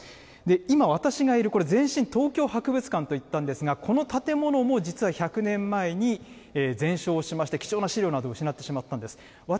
今、私がいるこれ、前身、東京博物館といったんですが、この建物も実は１００年前に全焼しまして、貴重な資料などを失ってしまったんです。